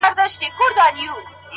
پوه انسان له اورېدو هم زده کوي,